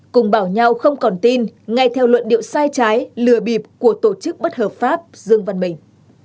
cùng bảo nhau không còn tin ngay theo luận điệu sai trái lừa bịp của tổ chức bất hợp pháp dân văn mình